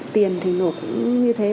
tiền thì nộp như thế